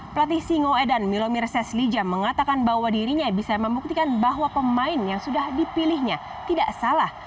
pelatih singoedan milomir seslija mengatakan bahwa dirinya bisa membuktikan bahwa pemain yang sudah dipilihnya tidak salah